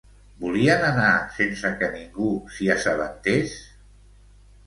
Volien anar sense que ningú s'hi assabentés?